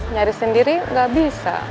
nyaris sendiri nggak bisa